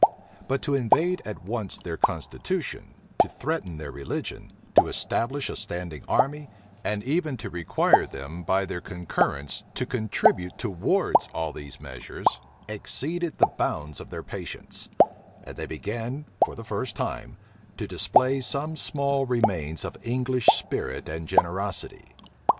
But to invade at once their constitution, to threaten their religion, to establish a standing army, and even to require them, by their concurrence, to contribute towards all these measures, exceeded the bounds of their patience; and they began, for the first time, to display some small remains of English spirit and generosity.